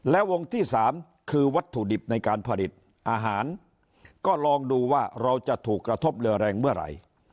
และวงที่๓คือวัตถุดิบในการผลิตอาหารก็ลองดูว่าเราจะถูกกระทบเรือแรงเมื่อไหร่